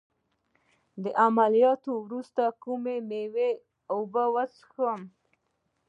د عملیات وروسته د کومې میوې اوبه وڅښم؟